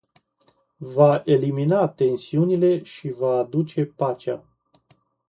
Va elimina tensiunile și va aduce pacea.